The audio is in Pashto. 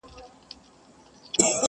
اوس له ګوتو د مطرب ويني را اوري!.